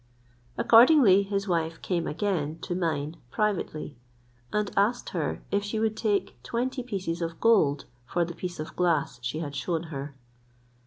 Accordingly his wife came again to mine privately, and asked her if she would take twenty pieces of gold for the piece of glass she had shown her.